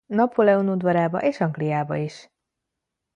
Napóleon udvarába és Angliába is.